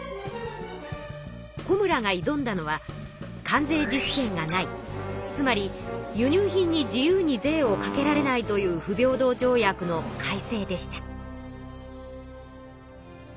小村が挑んだのは関税自主権がないつまり輸入品に自由に税をかけられないという不平等条約の改正でした。